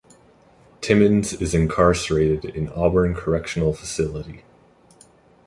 Timmons is incarecerated in Auburn Correctional Facility.